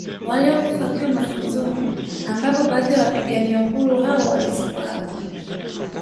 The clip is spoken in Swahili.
Waliokufa wakiwa mafunzoni ambapo baadhi ya wapigania uhuru hao walizikwa hapo